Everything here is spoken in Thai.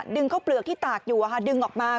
ข้าวเปลือกที่ตากอยู่ดึงออกมา